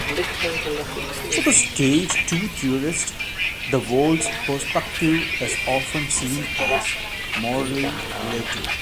For the stage two theorist, the world's perspective is often seen as morally relative.